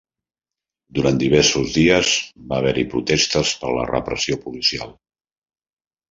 Durant diversos dies, va haver-hi protestes per la repressió policial.